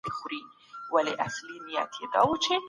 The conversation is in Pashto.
نواز لکه ارغنداب ښکلی دئ.